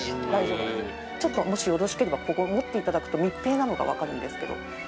◆ちょっと、もしよろしければ、ここ、持っていただくと密閉なのが分かるんですけど。